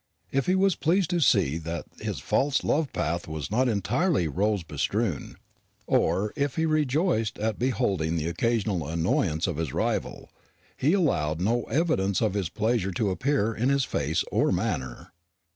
If he was pleased to see that his false love's path was not entirely rose bestrewn, or if he rejoiced at beholding the occasional annoyance of his rival, he allowed no evidence of his pleasure to appear in his face or manner.